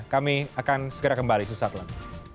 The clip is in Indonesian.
kami akan segera kembali sesaat lagi